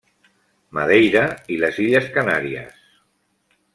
Madeira i les Illes Canàries.